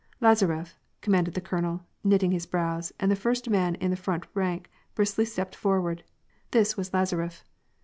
'^ Lazaref," commanded the colonel, knitting his brows, and the first man in the front rank briskly stepped forward This was Lazaref.